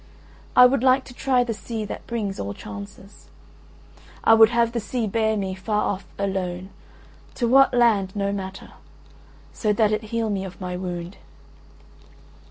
I would like to try the sea that brings all chances. … I would have the sea bear me far off alone, to what land no matter, so that it heal me of my wound."